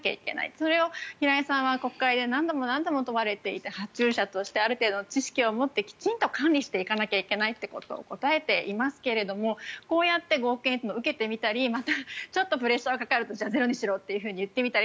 それを平井さんは国会で何度も何度も問われていて発注者としてある程度知識を持って管理していかないといけないということを答えていますけれどもこうやって受けてみたりまた、ちょっとプレッシャーがかかるとゼロにしろと言ってみたら。